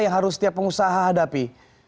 yang harus setiap pengusaha hadapi